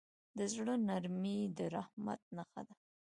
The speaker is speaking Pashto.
د زړه نرمي د رحمت نښه ده.